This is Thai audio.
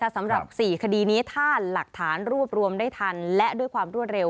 สำหรับ๔คดีนี้ถ้าหลักฐานรวบรวมได้ทันและด้วยความรวดเร็ว